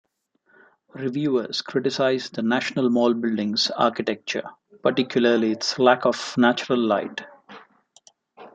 Reviewers criticized the National Mall building's architecture, particularly its lack of natural light.